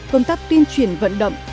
công tác tuyên truyền vận động